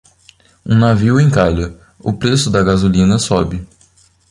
Um navio encalha, o preço da gasolina sobe